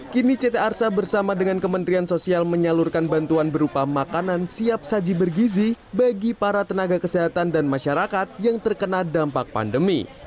kini ct arsa bersama dengan kementerian sosial menyalurkan bantuan berupa makanan siap saji bergizi bagi para tenaga kesehatan dan masyarakat yang terkena dampak pandemi